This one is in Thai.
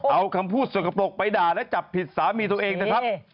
เอาคำพูดสกปรกไปด่าและจับผิดสามีตัวเองนะครับ